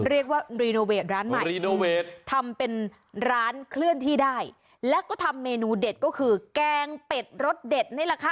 เรียกว่ารีโนเวทร้านใหม่รีโนเวททำเป็นร้านเคลื่อนที่ได้แล้วก็ทำเมนูเด็ดก็คือแกงเป็ดรสเด็ดนี่แหละค่ะ